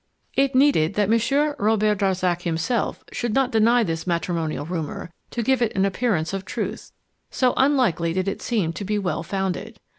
It needed that Monsieur Robert Darzac himself should not deny this matrimonial rumour to give it an appearance of truth, so unlikely did it seem to be well founded.